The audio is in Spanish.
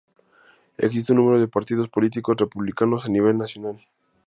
Existe un número de partidos políticos republicanos a nivel nacional.